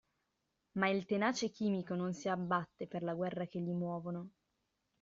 Ma il tenace chimico non si abbatte per la guerra che gli muovono.